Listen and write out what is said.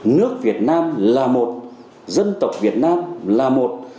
nước việt nam là một dân tộc việt nam là một